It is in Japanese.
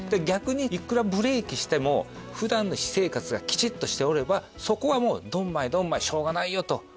逆にいくらブレーキしても普段の私生活がきちっとしておればそこはドンマイドンマイしょうがないよと。